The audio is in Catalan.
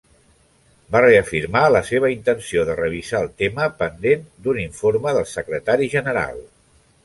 Va reafirmar la seva intenció de revisar el tema pendent d'un informe del Secretari General.